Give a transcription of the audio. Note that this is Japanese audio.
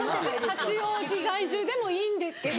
八王子在住でもいいんですけど。